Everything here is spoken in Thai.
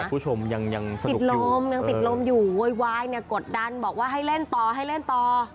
คุณผู้ชมยังติดลมยังติดลมอยู่โวยวายเนี่ยกดดันบอกว่าให้เล่นต่อให้เล่นต่อ